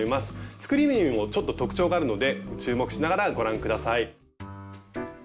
作り目にもちょっと特徴があるので注目しながらご覧下さい。